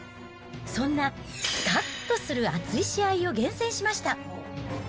そんなすかっとする熱い試合を厳選しました。